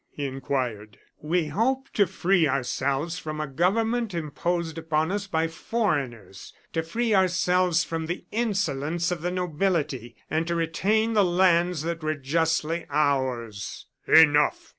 he inquired. "We hoped to free ourselves from a government imposed upon us by foreigners; to free ourselves from the insolence of the nobility, and to retain the lands that were justly ours." "Enough!